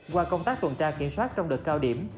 qua công tác tuần tra kiểm soát trong đợt cao điểm